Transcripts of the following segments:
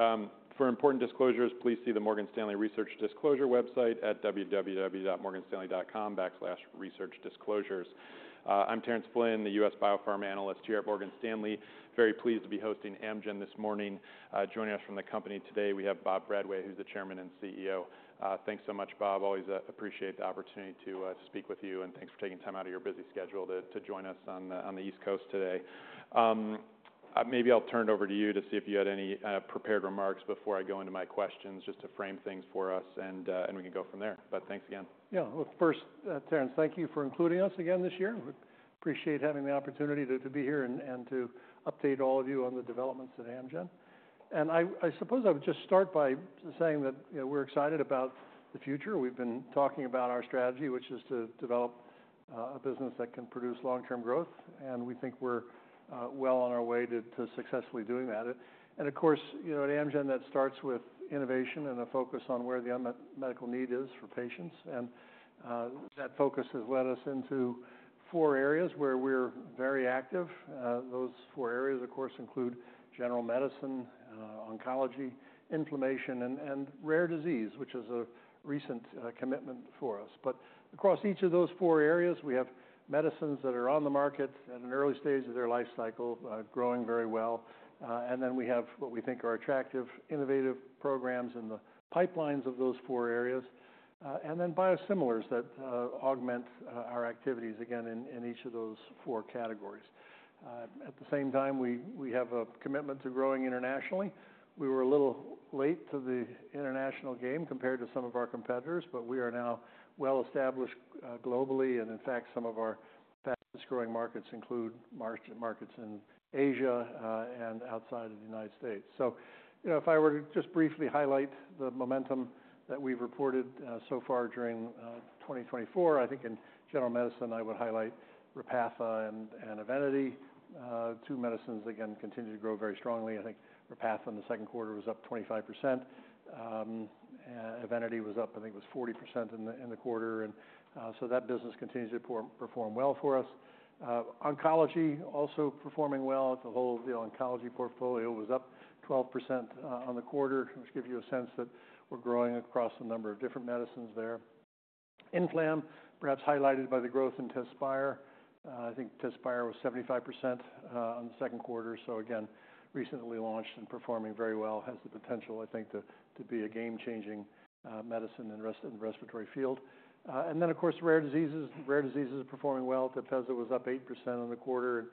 Great. For important disclosures, please see the Morgan Stanley Research Disclosure website at www.morganstanley.com/researchdisclosures. I'm Terence Flynn, the U.S. Biopharma analyst here at Morgan Stanley. Very pleased to be hosting Amgen this morning. Joining us from the company today, we haveRobert A.Bradway, who's the Chairman and CEO. Thanks so much, Bob. Always appreciate the opportunity to speak with you, and thanks for taking time out of your busy schedule to join us on the East Coast today. Maybe I'll turn it over to you to see if you had any prepared remarks before I go into my questions, just to frame things for us and we can go from there. But thanks again. Yeah. Well, first, Terence, thank you for including us again this year. We appreciate having the opportunity to be here and to update all of you on the developments at Amgen, and I suppose I would just start by saying that, you know, we're excited about the future. We've been talking about our strategy, which is to develop a business that can produce long-term growth, and we think we're well on our way to successfully doing that, and, of course, you know, at Amgen, that starts with innovation and a focus on where the unmet medical need is for patients, and that focus has led us into four areas where we're very active. Those four areas, of course, include general medicine, oncology, inflammation, and rare disease, which is a recent commitment for us. But across each of those four areas, we have medicines that are on the market at an early stage of their life cycle, growing very well. And then we have what we think are attractive, innovative programs in the pipelines of those four areas, and then biosimilars that augment our activities again in each of those four categories. At the same time, we have a commitment to growing internationally. We were a little late to the international game compared to some of our competitors, but we are now well established globally. And in fact, some of our fastest-growing markets include markets in Asia, and outside of the United States. You know, if I were to just briefly highlight the momentum that we've reported so far during twenty twenty-four, I think in general medicine I would highlight Repatha and Evenity. Two medicines again continue to grow very strongly. I think Repatha in the second quarter was up 25%. And Evenity was up, I think it was 40% in the quarter. And so that business continues to perform well for us. Oncology also performing well. The whole oncology portfolio was up 12% on the quarter, which gives you a sense that we're growing across a number of different medicines there. Inflammation, perhaps highlighted by the growth in Tezspire. I think Tezspire was 75% on the second quarter, so again, recently launched and performing very well. Has the potential, I think, to be a game-changing medicine in the respiratory field, and then, of course, rare diseases. Rare diseases are performing well. Tepezza was up 8% on the quarter.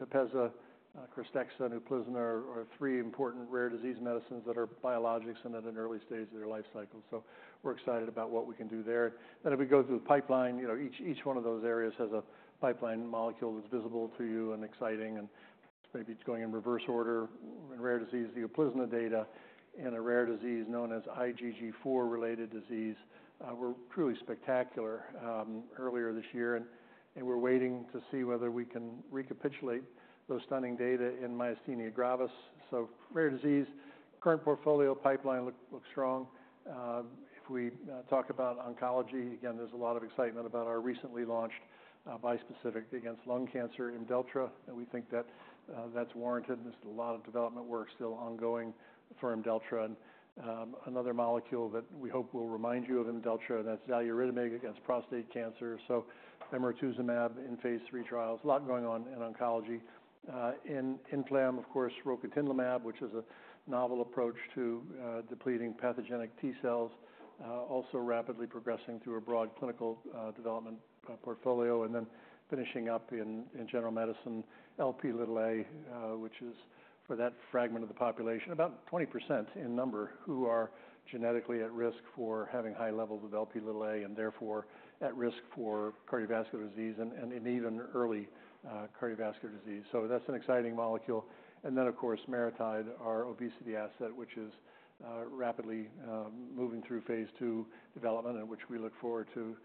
Tepezza, Krystexxa, and Uplizna are three important rare disease medicines that are biologics and at an early stage of their life cycle, so we're excited about what we can do there, then, if we go through the pipeline, you know, each one of those areas has a pipeline molecule that's visible to you and exciting, and maybe it's going in reverse order. In rare disease, the Uplizna data in a rare disease known as IgG4-related disease were truly spectacular earlier this year, and we're waiting to see whether we can recapitulate those stunning data in myasthenia gravis. Rare disease, current portfolio pipeline look, looks strong. If we talk about oncology, again, there's a lot of excitement about our recently launched bispecific against lung cancer, Imdelltra, and we think that that's warranted. There's a lot of development work still ongoing for Imdelltra and another molecule that we hope will remind you of Imdelltra, that's xaluritamig against prostate cancer. So tarlatamab in phase III trials. A lot going on in oncology. In inflam, of course, rocatinlimab, which is a novel approach to depleting pathogenic T-cells, also rapidly progressing through a broad clinical development portfolio. And then finishing up in general medicine, Lp(a), which is for that fragment of the population, about 20% in number, who are genetically at risk for having high levels of Lp(a) and therefore at risk for cardiovascular disease and even early cardiovascular disease. So that's an exciting molecule. And then, of course, MariTide, our obesity asset, which is rapidly moving through phase II development, and which we look forward to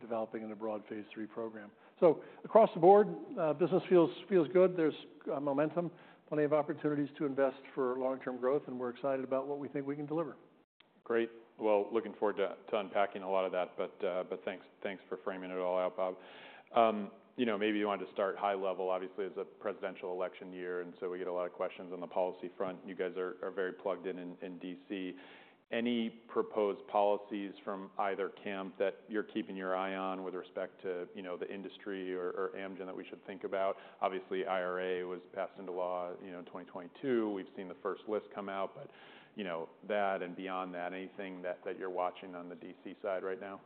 developing in a broad phase III program. So across the board, business feels good. There's momentum, plenty of opportunities to invest for long-term growth, and we're excited about what we think we can deliver. Great. Well, looking forward to unpacking a lot of that, but thanks for framing it all out, Bob. You know, maybe you wanted to start high level. Obviously, it's a presidential election year, and so we get a lot of questions on the policy front. You guys are very plugged in in DC. Any proposed policies from either camp that you're keeping your eye on with respect to, you know, the industry or Amgen, that we should think about? Obviously, IRA was passed into law, you know, in 2022. We've seen the first list come out, but you know, that and beyond that, anything that you're watching on the DC side right now?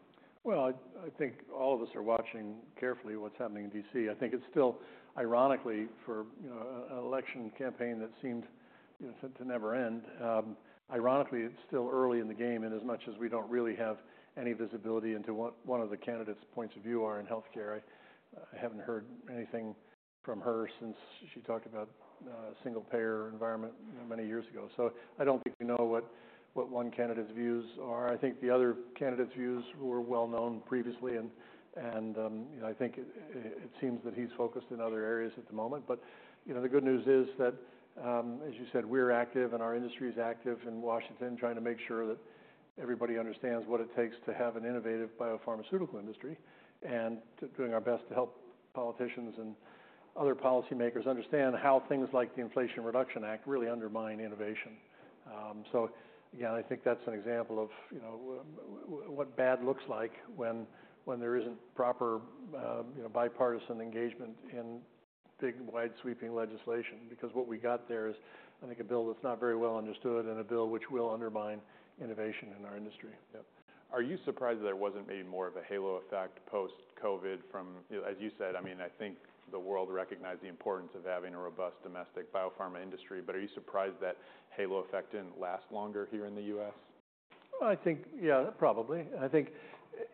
I think all of us are watching carefully what's happening in D.C. I think it's still, ironically, you know, an election campaign that seemed to never end, ironically, it's still early in the game. As much as we don't really have any visibility into what one of the candidates' points of view are in healthcare, I haven't heard anything from her since she talked about single-payer environment many years ago. I don't think we know what one candidate's views are. I think the other candidate's views were well known previously, and you know, I think it seems that he's focused in other areas at the moment. But, you know, the good news is that, as you said, we're active and our industry is active in Washington, trying to make sure that everybody understands what it takes to have an innovative biopharmaceutical industry and doing our best to help politicians and other policymakers understand how things like the Inflation Reduction Act really undermine innovation. So again, I think that's an example of, you know, what bad looks like when there isn't proper, you know, bipartisan engagement in big, wide, sweeping legislation. Because what we got there is, I think, a bill that's not very well understood and a bill which will undermine innovation in our industry. Yep. Are you surprised that there wasn't maybe more of a halo effect post-COVID from... You know, as you said, I mean, I think the world recognized the importance of having a robust domestic biopharma industry, but are you surprised that halo effect didn't last longer here in the U.S.? I think, yeah, probably. I think,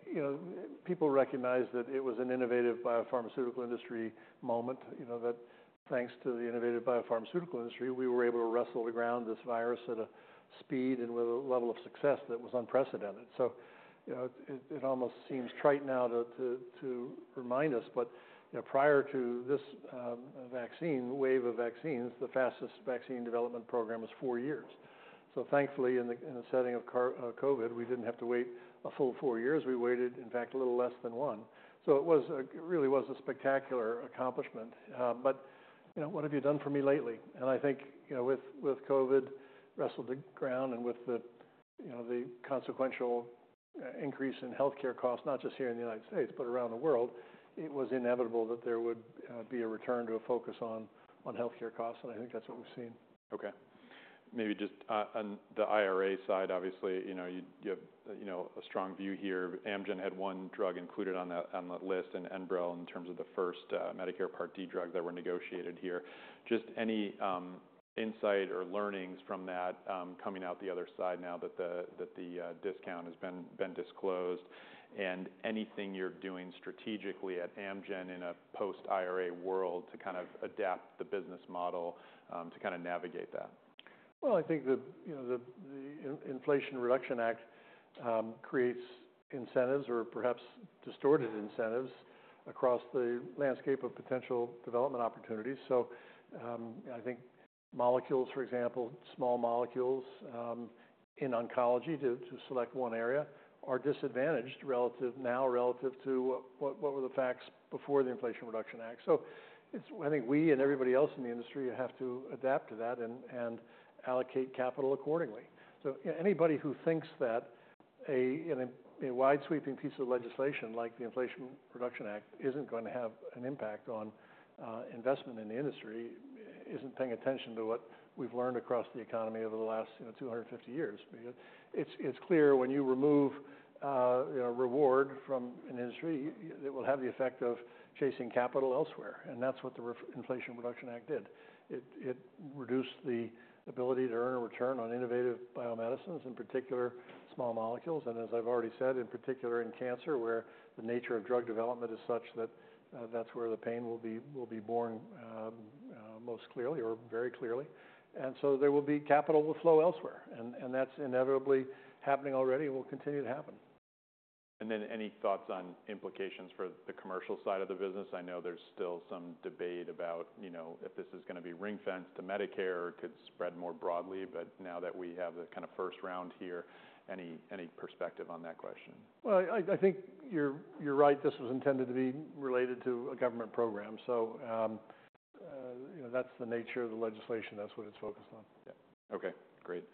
you know, people recognized that it was an innovative biopharmaceutical industry moment, you know, that thanks to the innovative biopharmaceutical industry, we were able to wrestle around this virus at a speed and with a level of success that was unprecedented. So you know, it almost seems trite now to remind us, but, you know, prior to this, vaccine, wave of vaccines, the fastest vaccine development program was four years. So thankfully, in the setting of COVID, we didn't have to wait a full four years. We waited, in fact, a little less than one. So it was it really was a spectacular accomplishment. But, you know, what have you done for me lately? I think, you know, with COVID wrestled to the ground and with the, you know, consequential increase in healthcare costs, not just here in the United States, but around the world, it was inevitable that there would be a return to a focus on healthcare costs, and I think that's what we've seen. Okay. Maybe just on the IRA side, obviously, you know, you have a strong view here. Amgen had one drug included on that list, Enbrel, in terms of the first Medicare Part D drug that were negotiated here. Just any insight or learnings from that coming out the other side now that the discount has been disclosed? And anything you're doing strategically at Amgen in a post-IRA world to kind of adapt the business model to kind of navigate that? I think the Inflation Reduction Act creates incentives or perhaps distorted incentives across the landscape of potential development opportunities. So, I think molecules, for example, small molecules, in oncology, to select one area, are disadvantaged relative to what were the facts before the Inflation Reduction Act. So it's I think we and everybody else in the industry have to adapt to that and allocate capital accordingly. So, you know, anybody who thinks that a wide-sweeping piece of legislation like the Inflation Reduction Act isn't going to have an impact on investment in the industry, isn't paying attention to what we've learned across the economy over the last two hundred and fifty years. Because it's clear when you remove, you know, reward from an industry, it will have the effect of chasing capital elsewhere, and that's what the Inflation Reduction Act did. It reduced the ability to earn a return on innovative biomedicines, in particular, small molecules. And as I've already said, in particular, in cancer, where the nature of drug development is such that, that's where the pain will be born most clearly or very clearly. And so capital will flow elsewhere, and that's inevitably happening already and will continue to happen. Then any thoughts on implications for the commercial side of the business? I know there's still some debate about, you know, if this is gonna be ring-fenced to Medicare, could spread more broadly, but now that we have the kind of first round here, any, any perspective on that question? I think you're right. This was intended to be related to a government program, so, you know, that's the nature of the legislation. That's what it's focused on. Yeah. Okay, great.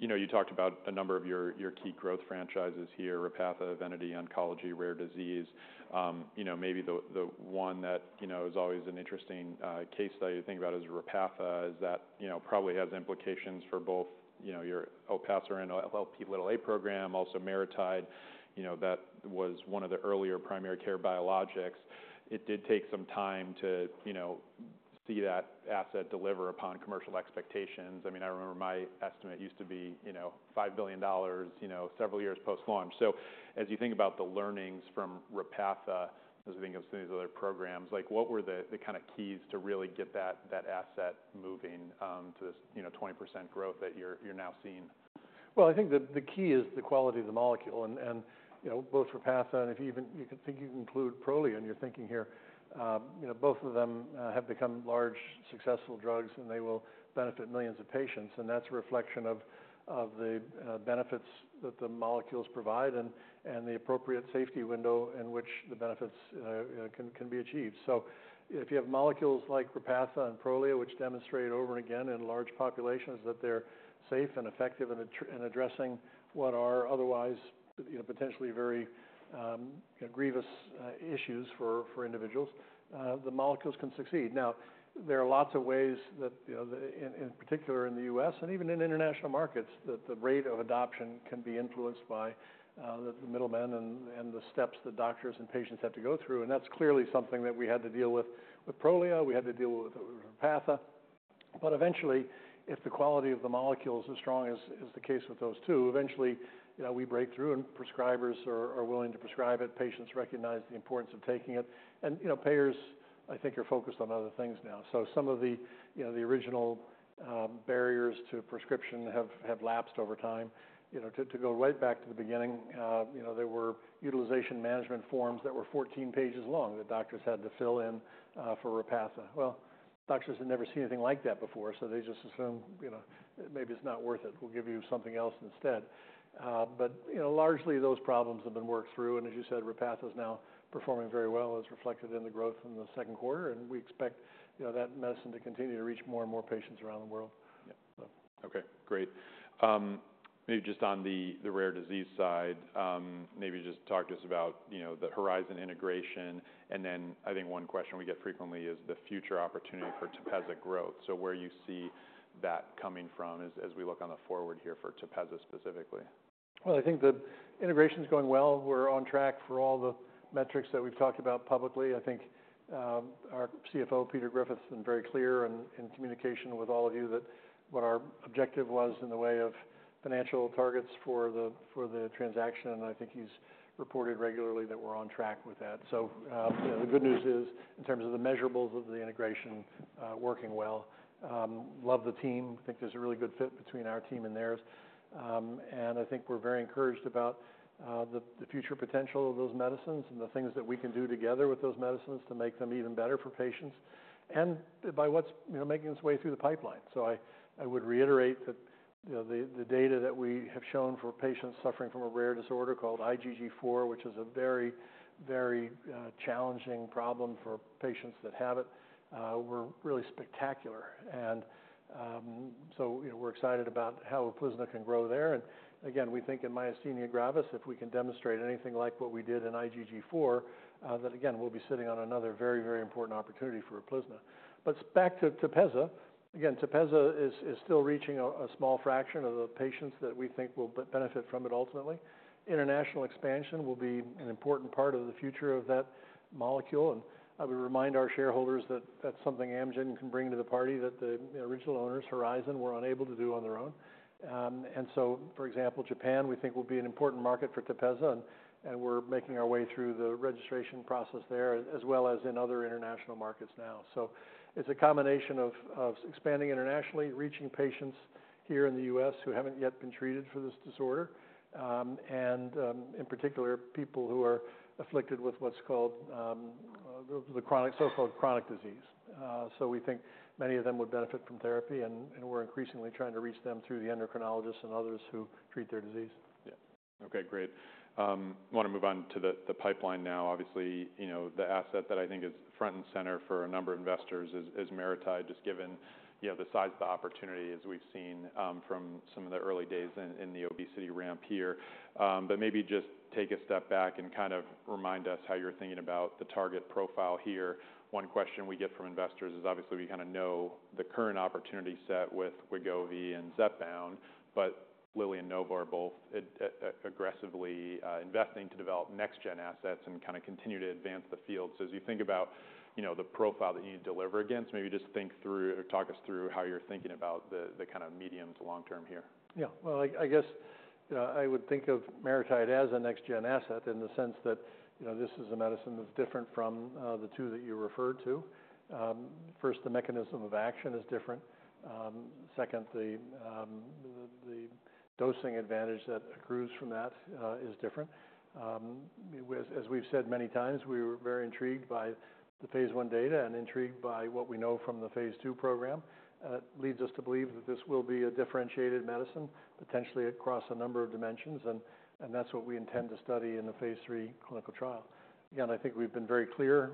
You know, you talked about a number of your key growth franchises here, Repatha, Evenity, Oncology, Rare Disease. You know, maybe the one that you know is always an interesting case study to think about is Repatha, is that you know probably has implications for both you know your Olpasiran Lp(a) program, also MariTide. You know, that was one of the earlier primary care biologics. It did take some time to you know see that asset deliver upon commercial expectations. I mean, I remember my estimate used to be you know $5 billion you know several years post-launch. As you think about the learnings from Repatha, as you think of some of these other programs, like, what were the kind of keys to really get that asset moving, you know, to 20% growth that you're now seeing? I think the key is the quality of the molecule, and you know, both Repatha and you can include Prolia in your thinking here. You know, both of them have become large, successful drugs, and they will benefit millions of patients, and that's a reflection of the benefits that the molecules provide and the appropriate safety window in which the benefits can be achieved. So if you have molecules like Repatha and Prolia, which demonstrate over and again in large populations that they're safe and effective in addressing what are otherwise, you know, potentially very grievous issues for individuals, the molecules can succeed. Now, there are lots of ways that, you know, the... in particular in the U.S. and even in international markets, that the rate of adoption can be influenced by the middlemen and the steps that doctors and patients have to go through, and that's clearly something that we had to deal with with Prolia, we had to deal with Repatha. But eventually, if the quality of the molecule is as strong as the case with those two, eventually, you know, we break through, and prescribers are willing to prescribe it, patients recognize the importance of taking it. And, you know, payers, I think, are focused on other things now. So some of the, you know, the original barriers to prescription have lapsed over time. You know, to go right back to the beginning, you know, there were utilization management forms that were fourteen pages long, that doctors had to fill in, for Repatha. Well, doctors had never seen anything like that before, so they just assumed, you know, "Maybe it's not worth it. We'll give you something else instead." But, you know, largely, those problems have been worked through, and as you said, Repatha is now performing very well, as reflected in the growth in the second quarter, and we expect, you know, that medicine to continue to reach more and more patients around the world. Yeah. Okay, great. Maybe just on the rare disease side, maybe just talk to us about, you know, the Horizon integration. And then I think one question we get frequently is the future opportunity for Tepezza growth. So where you see that coming from as we look on the forward here for Tepezza specifically? I think the integration is going well. We're on track for all the metrics that we've talked about publicly. I think our CFO, Peter Griffith, has been very clear and in communication with all of you that what our objective was in the way of financial targets for the transaction, and I think he's reported regularly that we're on track with that. The good news is, in terms of the measurables of the integration, working well. Love the team. I think there's a really good fit between our team and theirs. I think we're very encouraged about the future potential of those medicines and the things that we can do together with those medicines to make them even better for patients, and by what's, you know, making its way through the pipeline. So I would reiterate that, you know, the data that we have shown for patients suffering from a rare disorder called IgG4, which is a very, very challenging problem for patients that have it, were really spectacular, and so, you know, we're excited about how Uplizna can grow there, again we think in myasthenia gravis, if we can demonstrate anything like what we did in IgG4, that again, we'll be sitting on another very, very important opportunity for Uplizna, but back to Tepezza. Again, Tepezza is still reaching a small fraction of the patients that we think will benefit from it ultimately. International expansion will be an important part of the future of that molecule, and I would remind our shareholders that that's something Amgen can bring to the party that the original owners, Horizon, were unable to do on their own. And so, for example, Japan, we think will be an important market for Tepezza, and we're making our way through the registration process there, as well as in other international markets now. So it's a combination of expanding internationally, reaching patients here in the U.S. who haven't yet been treated for this disorder, and in particular, people who are afflicted with what's called so-called chronic disease. So we think many of them would benefit from therapy, and we're increasingly trying to reach them through the endocrinologists and others who treat their disease. Yeah. Okay, great. I want to move on to the pipeline now. Obviously, you know, the asset that I think is front and center for a number of investors is MariTide, just given, you know, the size of the opportunity as we've seen from some of the early days in the obesity ramp here, but maybe just take a step back and kind of remind us how you're thinking about the target profile here. One question we get from investors is, obviously, we kind of know the current opportunity set with Wegovy and Zepbound, but Lilly and Novo are both aggressively investing to develop next gen assets and kind of continue to advance the field. So, as you think about, you know, the profile that you need to deliver against, maybe just think through or talk us through how you're thinking about the kind of medium- to long-term here. Yeah. Well, I guess I would think of MariTide as a next-gen asset in the sense that, you know, this is a medicine that's different from the two that you referred to. First, the mechanism of action is different. Second, the dosing advantage that accrues from that is different. As we've said many times, we were very intrigued by the phase one data and intrigued by what we know from the phase two program. It leads us to believe that this will be a differentiated medicine, potentially across a number of dimensions, and that's what we intend to study in the phase three clinical trial. Again, I think we've been very clear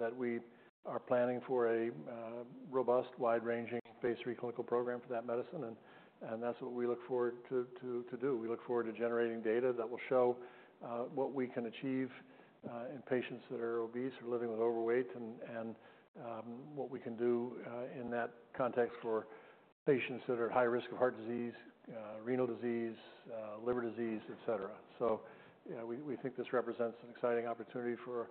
that we are planning for a robust, wide-ranging phase three clinical program for that medicine, and that's what we look forward to do. We look forward to generating data that will show what we can achieve in patients that are obese or living with overweight, and what we can do in that context for patients that are at high risk of heart disease, renal disease, liver disease, et cetera. So, you know, we think this represents an exciting opportunity for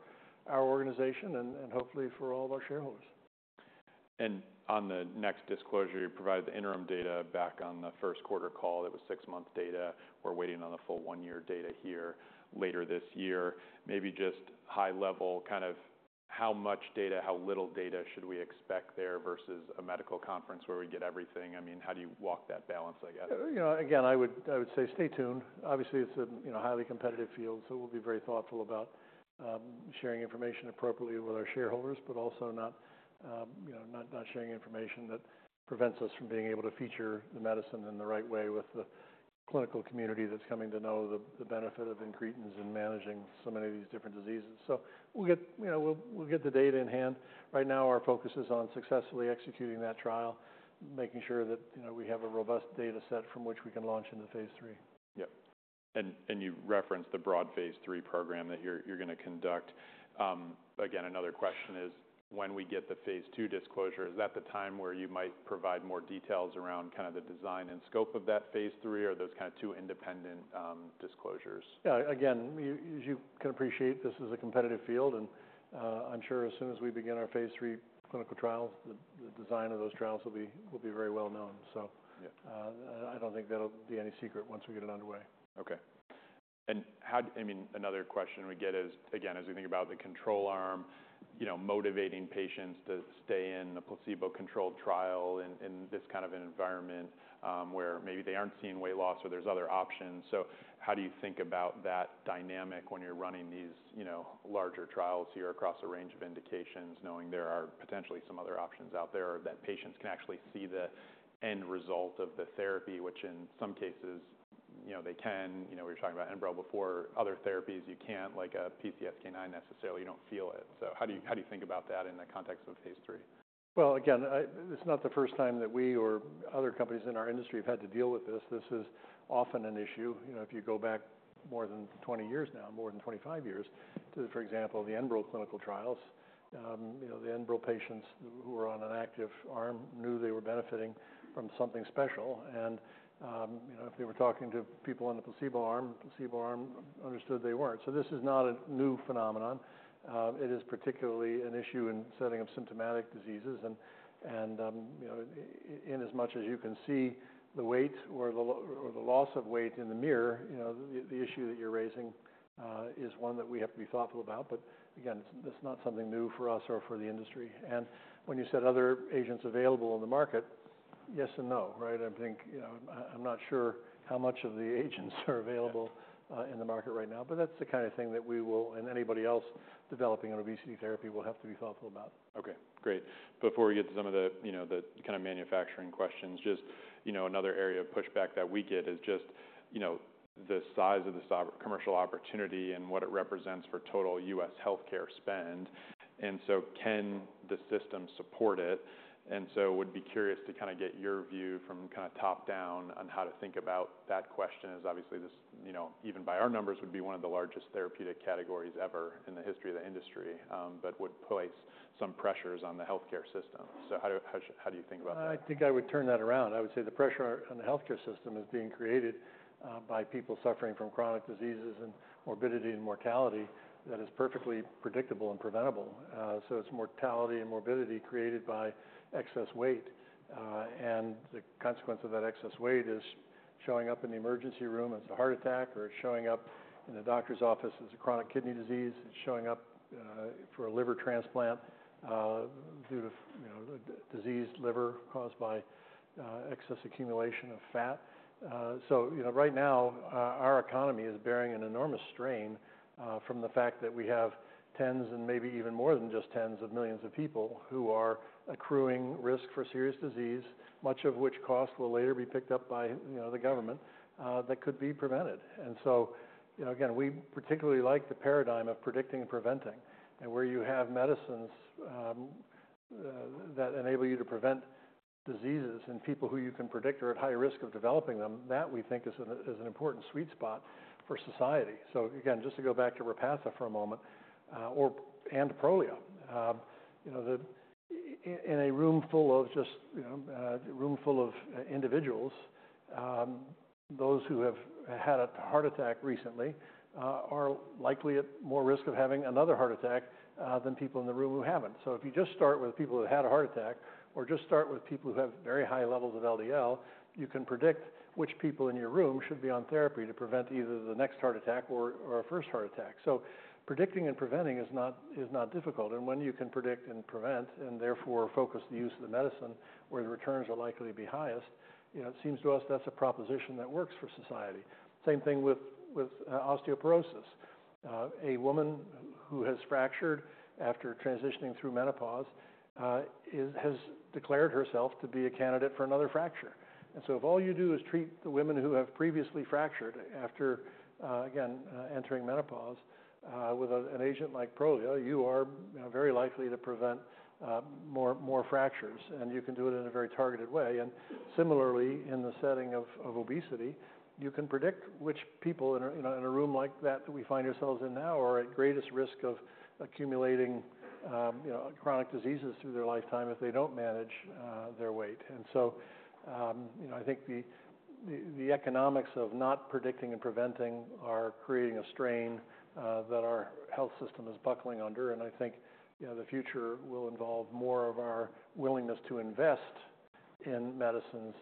our organization and hopefully for all of our shareholders. On the next disclosure, you provided the interim data back on the first quarter call. It was six-month data. We're waiting on the full one-year data here later this year. Maybe just high level, kind of how much data, how little data should we expect there versus a medical conference where we get everything? I mean, how do you walk that balance, I guess? You know, again, I would say stay tuned. Obviously, it's a highly competitive field, so we'll be very thoughtful about sharing information appropriately with our shareholders, but also not sharing information that prevents us from being able to feature the medicine in the right way with the clinical community that's coming to know the benefit of incretins in managing so many of these different diseases. So we'll get the data in hand. Right now, our focus is on successfully executing that trial, making sure that we have a robust data set from which we can launch into phase three. Yep. And you referenced the broad phase 3 program that you're gonna conduct. Again, another question is: when we get the phase 2 disclosure, is that the time where you might provide more details around kind of the design and scope of that phase 3, or are those kind of two independent disclosures? Yeah, again, as you can appreciate, this is a competitive field, and I'm sure as soon as we begin our phase three clinical trials, the design of those trials will be very well known so- Yeah. I don't think that'll be any secret once we get it underway. Okay. And how... I mean, another question we get is, again, as we think about the control arm, you know, motivating patients to stay in a placebo-controlled trial in this kind of an environment, where maybe they aren't seeing weight loss or there's other options. So how do you think about that dynamic when you're running these, you know, larger trials here across a range of indications, knowing there are potentially some other options out there, or that patients can actually see the end result of the therapy, which in some cases, you know, they can. You know, we were talking about Enbrel before. Other therapies, you can't, like a PCSK9, necessarily. You don't feel it. So how do you, how do you think about that in the context of phase III?... Again, it's not the first time that we or other companies in our industry have had to deal with this. This is often an issue. You know, if you go back more than twenty years now, more than twenty-five years, to, for example, the Enbrel clinical trials. You know, the Enbrel patients who were on an active arm knew they were benefiting from something special and you know, if they were talking to people on the placebo arm, the placebo arm understood they weren't, so this is not a new phenomenon. It is particularly an issue in studies of symptomatic diseases and you know, in as much as you can see the weight or the loss of weight in the mirror, you know, the issue that you're raising is one that we have to be thoughtful about. But again, it's not something new for us or for the industry. And when you said other agents available on the market, yes and no, right? I think, you know, I'm not sure how much of the agents are available in the market right now, but that's the kind of thing that we will, and anybody else developing an obesity therapy, will have to be thoughtful about. Okay, great. Before we get to some of the, you know, the kind of manufacturing questions, just, you know, another area of pushback that we get is just, you know, the size of the commercial opportunity and what it represents for total U.S. healthcare spend. And so can the system support it? And so would be curious to kind of get your view from kind of top down on how to think about that question as obviously this, you know, even by our numbers, would be one of the largest therapeutic categories ever in the history of the industry, but would place some pressures on the healthcare system. So how do you think about that? I think I would turn that around. I would say the pressure on the healthcare system is being created by people suffering from chronic diseases and morbidity and mortality that is perfectly predictable and preventable. So it's mortality and morbidity created by excess weight, and the consequence of that excess weight is showing up in the emergency room as a heart attack, or it's showing up in the doctor's office as a chronic kidney disease. It's showing up for a liver transplant due to, you know, diseased liver caused by excess accumulation of fat. You know, right now our economy is bearing an enormous strain from the fact that we have tens and maybe even more than just tens of millions of people who are accruing risk for serious disease, much of which cost will later be picked up by you know the government that could be prevented, so you know again we particularly like the paradigm of predicting and preventing, and where you have medicines that enable you to prevent diseases in people who you can predict are at high risk of developing them, that we think is an important sweet spot for society, so again just to go back to Repatha for a moment, or and Prolia. You know, the... In a room full of just, you know, a room full of individuals, those who have had a heart attack recently are likely at more risk of having another heart attack than people in the room who haven't. So if you just start with people who had a heart attack, or just start with people who have very high levels of LDL, you can predict which people in your room should be on therapy to prevent either the next heart attack or a first heart attack. So predicting and preventing is not difficult, and when you can predict and prevent, and therefore focus the use of the medicine where the returns will likely be highest, you know, it seems to us that's a proposition that works for society. Same thing with osteoporosis. A woman who has fractured after transitioning through menopause has declared herself to be a candidate for another fracture. And so if all you do is treat the women who have previously fractured after again entering menopause with an agent like Prolia, you are, you know, very likely to prevent more fractures, and you can do it in a very targeted way. And similarly, in the setting of obesity, you know, you can predict which people in a room like that that we find ourselves in now are at greatest risk of accumulating you know chronic diseases through their lifetime if they don't manage their weight. And so you know I think the economics of not predicting and preventing are creating a strain that our health system is buckling under. I think, you know, the future will involve more of our willingness to invest in medicines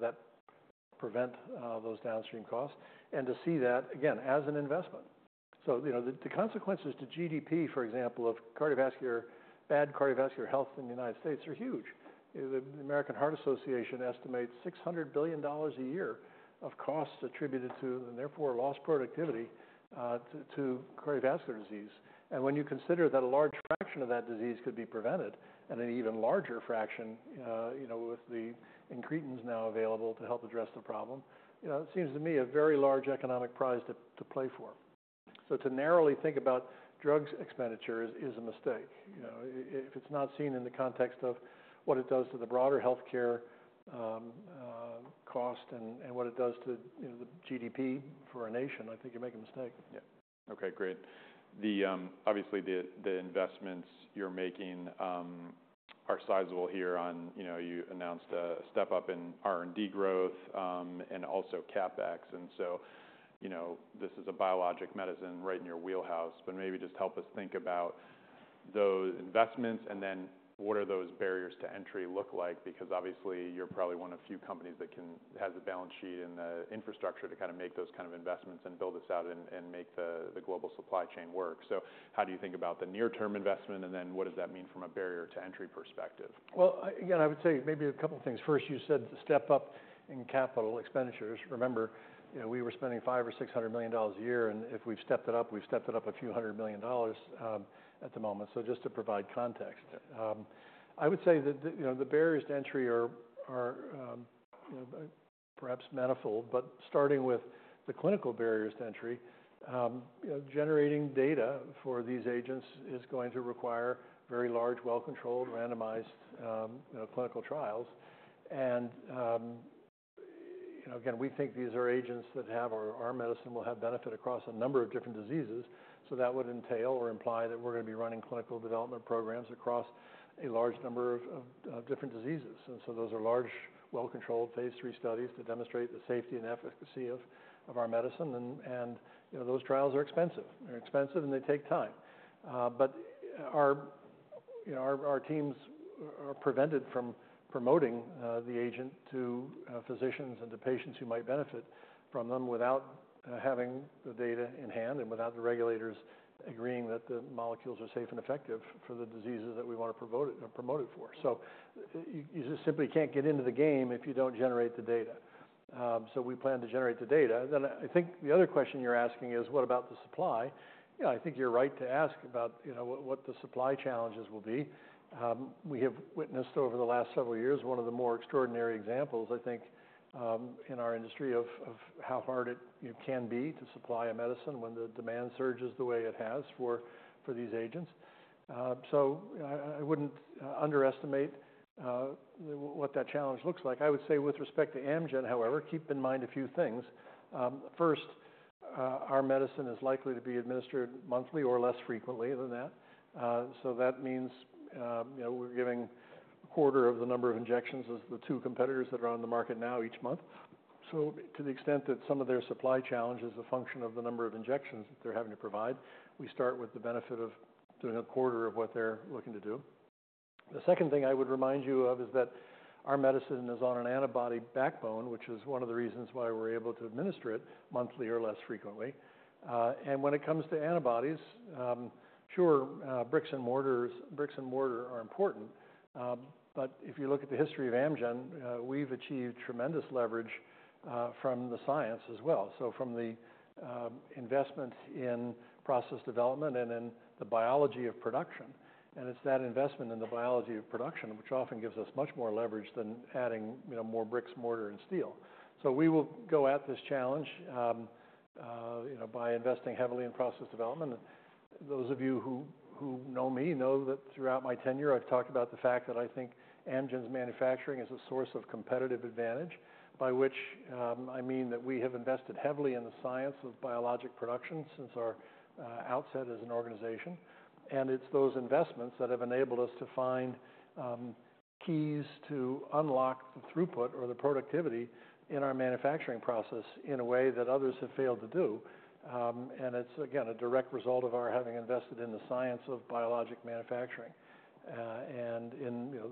that prevent those downstream costs, and to see that, again, as an investment. So, you know, the consequences to GDP, for example, of cardiovascular bad cardiovascular health in the United States are huge. You know, the American Heart Association estimates $600 billion a year of costs attributed to, and therefore, lost productivity to cardiovascular disease. When you consider that a large fraction of that disease could be prevented, and an even larger fraction you know, with the incretins now available to help address the problem, you know, it seems to me a very large economic prize to play for. To narrowly think about drugs expenditures is a mistake. You know, if it's not seen in the context of what it does to the broader healthcare cost and what it does to, you know, the GDP for our nation, I think you make a mistake. Yeah. Okay, great. The obviously, the investments you're making are sizable here on... You know, you announced a step up in R&D growth and also CapEx, and so, you know, this is a biologic medicine right in your wheelhouse, but maybe just help us think about those investments, and then what are those barriers to entry look like? Because obviously, you're probably one of few companies that has the balance sheet and the infrastructure to kind of make those kind of investments and build this out and make the global supply chain work. So how do you think about the near-term investment, and then what does that mean from a barrier-to-entry perspective? I, again, I would say maybe a couple things. First, you said step up in capital expenditures. Remember, you know, we were spending $500 million-$600 million a year, and if we've stepped it up, we've stepped it up a few hundred million dollars at the moment. So just to provide context. I would say that the, you know, the barriers to entry are, you know, perhaps manifold, but starting with the clinical barriers to entry, you know, generating data for these agents is going to require very large, well-controlled, randomized, you know, clinical trials. You know, again, we think these are agents that have, or our medicine will have benefit across a number of different diseases. So that would entail or imply that we're going to be running clinical development programs across a large number of different diseases. And so those are large, well-controlled phase three studies to demonstrate the safety and efficacy of our medicine. You know, those trials are expensive. They're expensive, and they take time. But our you know, our teams are prevented from promoting the agent to physicians and to patients who might benefit from them without having the data in hand, and without the regulators agreeing that the molecules are safe and effective for the diseases that we want to promote it, promote it for. So you just simply can't get into the game if you don't generate the data. So we plan to generate the data. Then I think the other question you're asking is, what about the supply? Yeah, I think you're right to ask about, you know, what the supply challenges will be. We have witnessed over the last several years, one of the more extraordinary examples, I think, in our industry, of how hard it can be to supply a medicine when the demand surges the way it has for these agents. So I wouldn't underestimate what that challenge looks like. I would say with respect to Amgen, however, keep in mind a few things. First, our medicine is likely to be administered monthly or less frequently than that. So that means, you know, we're giving a quarter of the number of injections as the two competitors that are on the market now each month. To the extent that some of their supply challenge is a function of the number of injections that they're having to provide, we start with the benefit of doing a quarter of what they're looking to do. The second thing I would remind you of is that our medicine is on an antibody backbone, which is one of the reasons why we're able to administer it monthly or less frequently. When it comes to antibodies, sure, bricks and mortar are important, but if you look at the history of Amgen, we've achieved tremendous leverage from the science as well, so from the investments in process development and in the biology of production. It's that investment in the biology of production, which often gives us much more leverage than adding, you know, more bricks, mortar, and steel. So we will go at this challenge, you know, by investing heavily in process development. Those of you who know me know that throughout my tenure I've talked about the fact that I think Amgen's manufacturing is a source of competitive advantage. By which, I mean that we have invested heavily in the science of biologic production since our outset as an organization. And it's those investments that have enabled us to find keys to unlock the throughput or the productivity in our manufacturing process in a way that others have failed to do. And it's again a direct result of our having invested in the science of biologic manufacturing, and in, you know,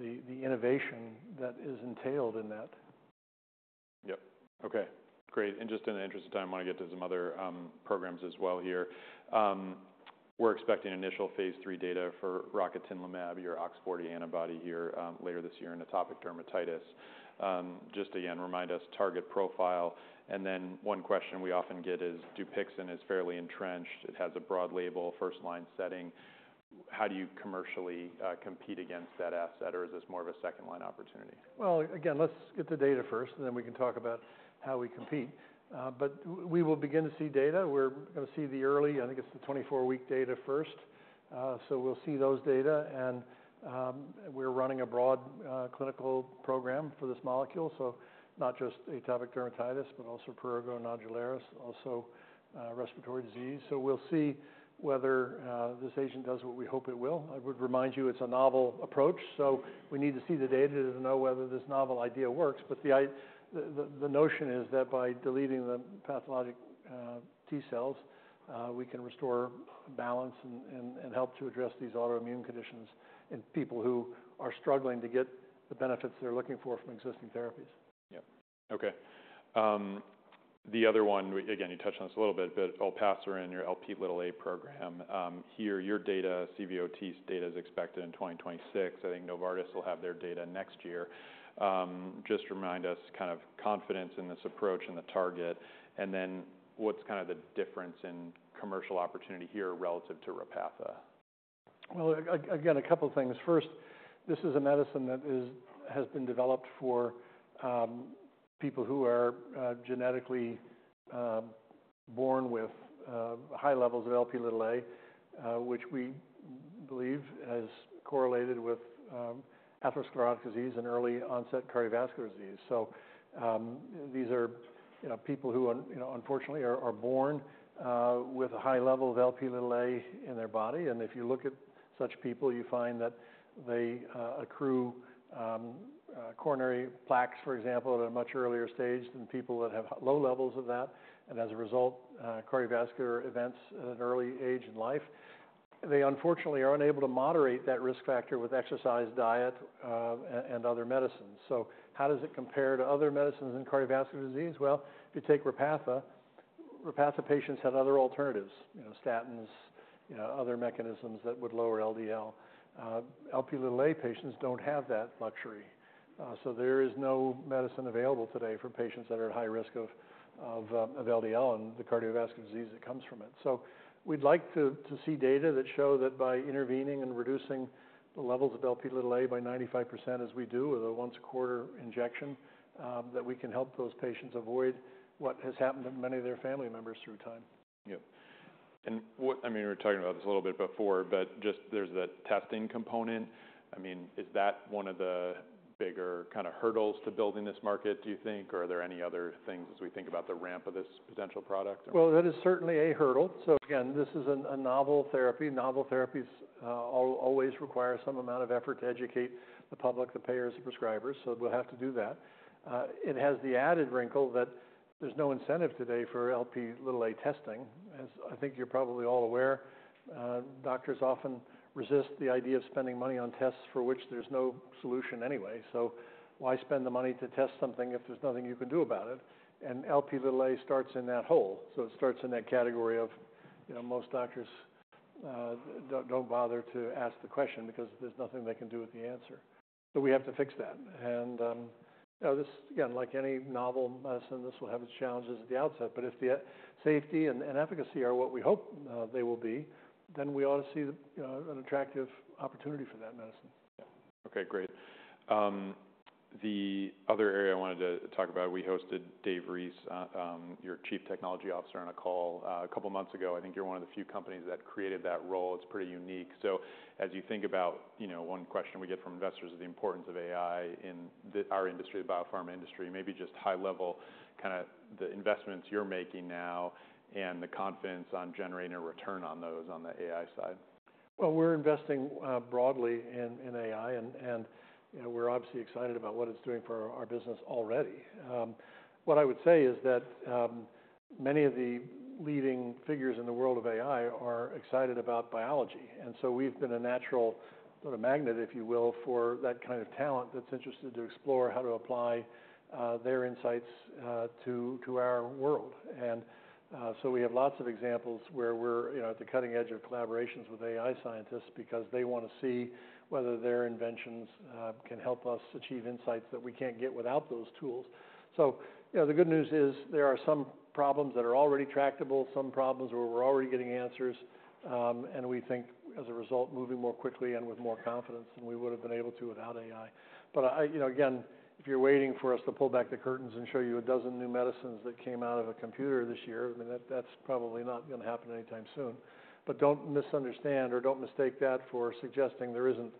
the innovation that is entailed in that. Yep. Okay, great. And just in the interest of time, I want to get to some other programs as well here. We're expecting initial phase III data for Rocatinlimab, your OX40 antibody here, later this year in atopic dermatitis. Just again, remind us target profile, and then one question we often get is, Dupixent is fairly entrenched. It has a broad label, first-line setting. How do you commercially compete against that asset, or is this more of a second-line opportunity? Again, let's get the data first, and then we can talk about how we compete. But we will begin to see data. We're going to see the early, I think it's the twenty-four-week data first. So we'll see those data, and we're running a broad clinical program for this molecule. So not just atopic dermatitis, but also prurigo nodularis, also respiratory disease. So we'll see whether this agent does what we hope it will. I would remind you, it's a novel approach, so we need to see the data to know whether this novel idea works. But the notion is that by deleting the pathologic T cells, we can restore balance and help to address these autoimmune conditions in people who are struggling to get the benefits they're looking for from existing therapies. Yep. Okay, the other one, again, you touched on this a little bit, but Olpasiran, your Lp(a) program. Here, your data, CVOT's data is expected in 2026. I think Novartis will have their data next year. Just remind us kind of confidence in this approach and the target, and then what's kind of the difference in commercial opportunity here relative to Repatha? Again, a couple of things. First, this is a medicine that has been developed for people who are genetically born with high levels of Lp(a), which we believe has correlated with atherosclerotic disease and early onset cardiovascular disease. So, these are, you know, people who, you know, unfortunately are born with a high level of Lp(a) in their body. And if you look at such people, you find that they accrue coronary plaques, for example, at a much earlier stage than people that have low levels of that, and as a result, cardiovascular events at an early age in life. They, unfortunately, are unable to moderate that risk factor with exercise, diet, and other medicines. How does it compare to other medicines in cardiovascular disease? If you take Repatha, Repatha patients had other alternatives, you know, statins, you know, other mechanisms that would lower LDL. Lp(a) patients don't have that luxury, so there is no medicine available today for patients that are at high risk of LDL and the cardiovascular disease that comes from it. We'd like to see data that show that by intervening and reducing the levels of Lp(a) by 95%, as we do with a once a quarter injection, that we can help those patients avoid what has happened to many of their family members through time. Yep. And what, I mean, we were talking about this a little bit before, but just there's the testing component. I mean, is that one of the bigger kind of hurdles to building this market, do you think? Or are there any other things as we think about the ramp of this potential product? That is certainly a hurdle. Again, this is a novel therapy. Novel therapies always require some amount of effort to educate the public, the payers, the prescribers, so we'll have to do that. It has the added wrinkle that there's no incentive today for Lp testing. As I think you're probably all aware, doctors often resist the idea of spending money on tests for which there's no solution anyway. So why spend the money to test something if there's nothing you can do about it? Lp starts in that hole, so it starts in that category of, you know, most doctors don't bother to ask the question because there's nothing they can do with the answer. So we have to fix that. You know, this again, like any novel medicine, this will have its challenges at the outset. But if the safety and efficacy are what we hope they will be, then we ought to see, you know, an attractive opportunity for that medicine. Okay, great. The other area I wanted to talk about, we hosted Dave Reese, your Chief Technology Officer, on a call a couple of months ago. I think you're one of the few companies that created that role. It's pretty unique. So as you think about you know, one question we get from investors is the importance of AI in our industry, the biopharma industry, maybe just high level, kind of the investments you're making now and the confidence on generating a return on those, on the AI side. We're investing broadly in AI, and you know, we're obviously excited about what it's doing for our business already. What I would say is that many of the leading figures in the world of AI are excited about biology, and so we've been a natural sort of magnet, if you will, for that kind of talent that's interested to explore how to apply their insights to our world. We have lots of examples where we're, you know, at the cutting edge of collaborations with AI scientists because they want to see whether their inventions can help us achieve insights that we can't get without those tools. You know, the good news is there are some problems that are already tractable, some problems where we're already getting answers. And we think, as a result, moving more quickly and with more confidence than we would've been able to without AI. But you know, again, if you're waiting for us to pull back the curtains and show you a dozen new medicines that came out of a computer this year, I mean, that's probably not gonna happen anytime soon. But don't misunderstand or don't mistake that for suggesting there isn't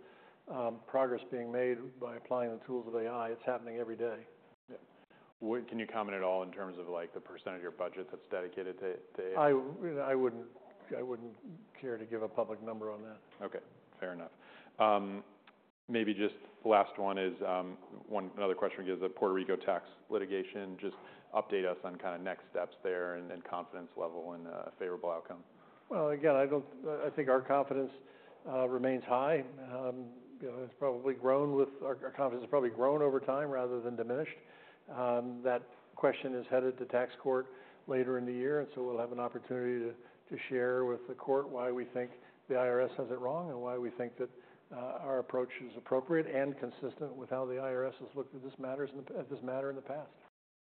progress being made by applying the tools of AI. It's happening every day. Yeah. Well, can you comment at all in terms of, like, the percentage of your budget that's dedicated to AI? You know, I wouldn't care to give a public number on that. Okay, fair enough. Maybe just last one is another question is the Puerto Rico tax litigation. Just update us on kind of next steps there and confidence level and favorable outcome. Again, I think our confidence remains high. You know, our confidence has probably grown over time rather than diminished. That question is headed to tax court later in the year, and so we'll have an opportunity to share with the court why we think the IRS has it wrong and why we think that our approach is appropriate and consistent with how the IRS has looked at this matter in the past.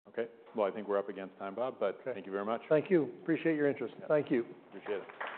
Okay. Well, I think we're up against time, Bob- Okay. But thank you very much. Thank you. Appreciate your interest. Thank you. Appreciate it.